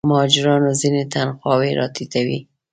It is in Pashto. مهاجرانو څپې تنخواوې راټیټوي.